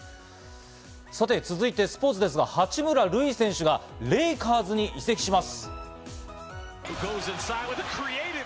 さて、続いてスポーツですが、八村塁選手がレイカーズに移籍します。